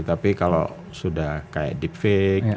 tapi kalau sudah kayak deep fake